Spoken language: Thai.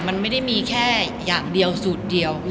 มันไม่ได้มีแค่อย่างเดียวสูตรเดียว